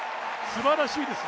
すばらしいです。